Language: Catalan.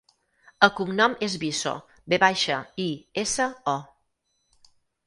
El cognom és Viso: ve baixa, i, essa, o.